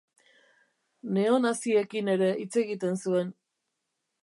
Neonaziekin ere hitz egiten zuen.